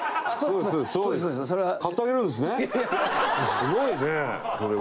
すごいねそれは。